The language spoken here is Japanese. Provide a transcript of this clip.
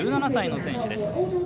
１７歳の選手です。